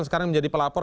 sekarang menjadi pelapor